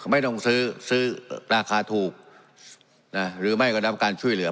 ไม่ต้องซื้อซื้อราคาถูกนะหรือไม่ก็รับการช่วยเหลือ